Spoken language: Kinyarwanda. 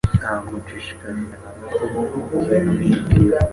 Ntabwo nshishikajwe na gato n'ikintu nk'iki.